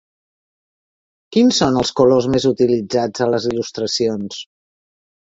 Quins són els colors més utilitzats a les il·lustracions?